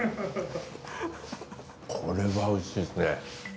これは美味しいですね。